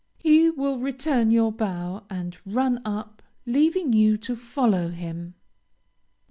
He will return your bow, and run up, leaving you to follow him.